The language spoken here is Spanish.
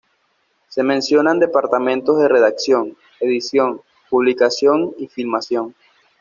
Se mencionan departamentos de redacción, edición, publicación y filmación.